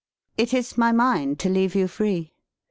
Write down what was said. It is my mind to leave you free.